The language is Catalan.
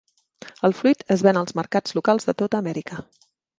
El fruit es ven als mercats locals de tota Amèrica.